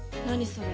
それ。